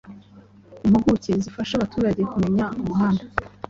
impuguke zifasha abaturage kumenya umuhanda